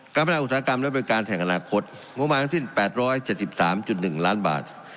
พัฒนาอุตสาหกรรมและบริการแห่งอนาคตงบประมาณทั้งสิ้น๘๗๓๑ล้านบาท